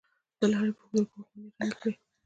د لارې په اوږدو کې واکمنۍ ړنګې کړې.